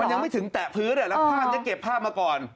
มันยังไม่ถึงแตะพื้นแล้วพ่นนั้นเข็มภาพมาก่อน